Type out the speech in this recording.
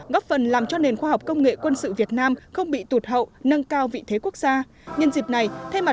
góp phần làm cho nền khoa học công nghệ quân sự việt nam không bị tụt hậu nâng cao vị thế quốc gia